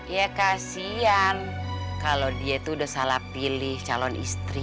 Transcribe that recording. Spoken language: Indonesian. ya kasian kalau dia itu udah salah pilih calon istri